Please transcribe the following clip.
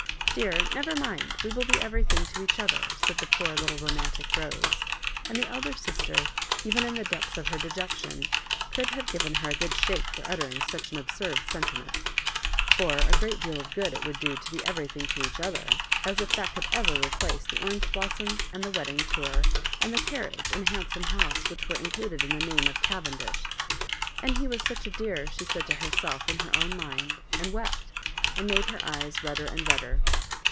"Dear, never mind, we will be everything to each other," said poor little romantic Rose; and the elder sister, even in the depths of her dejection, could have given her a good shake for uttering such an absurd sentiment; for a great deal of good it would do to be everything to each other — as if that could ever replace the orange blossoms and the weddmg tour, and the carriage and handsome house, which were included in the name of Cavendish I "And he was such a dear!" she said to herself in her own mind, and wept, and made her^yes redder and redder.